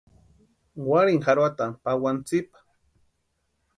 ¿Úarini jarhoatani pawani tsipa?